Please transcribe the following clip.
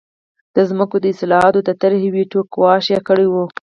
د ځمکو د اصلاحاتو د طرحې ویټو ګواښ یې کړی و.